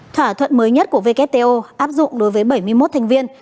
thỏa thuận mới nhất của wto áp dụng đối với bảy mươi một thành viên